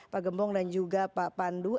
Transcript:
pak gembong dan juga pak pandu